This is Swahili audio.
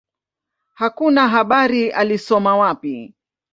Hakuna habari alisoma wapi.